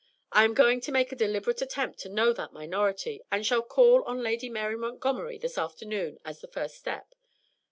I am going to make a deliberate attempt to know that minority, and shall call on Lady Mary Montgomery this afternoon as the first step.